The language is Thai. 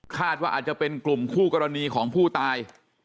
อาจจะเป็นกลุ่มคู่กรณีของผู้ตาย